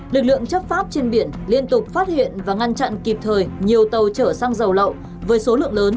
lực lượng chấp pháp trên biển liên tục phát hiện và ngăn chặn kịp thời nhiều tàu trở sang dầu lậu